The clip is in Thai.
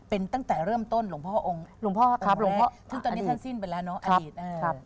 เป็นตั้งแต่เริ่มต้นหลวงพ่อองค์ตอนแรกถึงตอนนี้ท่านสิ้นไปแล้วเนอะอดีต